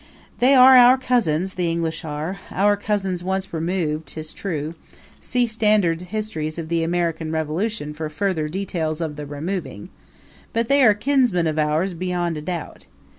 They are our cousins, the English are; our cousins once removed, 'tis true see standard histories of the American Revolution for further details of the removing but they are kinsmen of ours beyond a doubt.